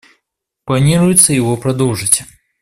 Планируется его продолжить.